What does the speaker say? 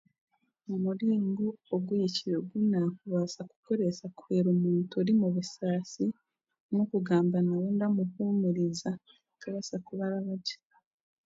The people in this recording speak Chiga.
Omuringo oguhikire ogu naakubaasa kukoresa kuhwera omuntu ari mu busaasi n'okugamba nawe ndamuhuumuriza kubaasa kubamu gye.